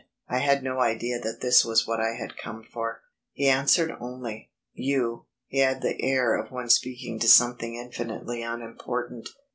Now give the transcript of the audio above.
I had no idea that this was what I had come for. He answered only: "You!" He had the air of one speaking to something infinitely unimportant.